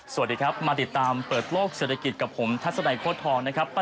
สวัสดีครับมาติดตามเปิดโลกเศรษฐกิจกับผมทัศนัยโค้ดทองนะครับ